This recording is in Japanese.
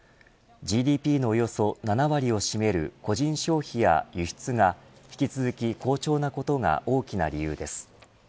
ＧＤＰのおよそ７割を占める個人消費や輸出が引き続き好調なことが大きな理由です。